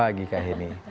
pagi kak heni